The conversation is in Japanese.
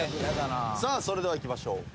それではいきましょう。